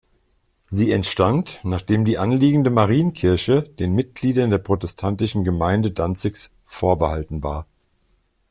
Sie entstand, nachdem die anliegende Marienkirche den Mitgliedern der protestantischen Gemeinde Danzigs vorbehalten war.